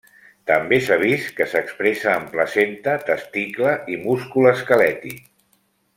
També s'ha vist que s'expressa en placenta, testicle i múscul esquelètic.